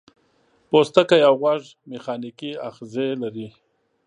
پوستکی او غوږ میخانیکي آخذې لري.